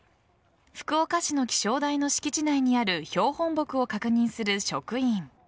福岡市の気象台の敷地内にある標本木を確認する職員。